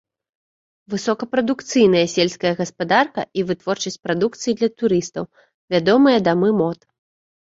Высокапрадукцыйная сельская гаспадарка і вытворчасць прадукцыі для турыстаў, вядомыя дамы мод.